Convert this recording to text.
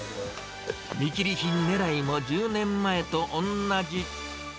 見切り品ねらいも１０年前とおんなじ。